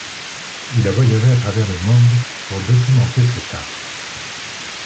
Il a voyagé à travers le monde pour documenter cet art.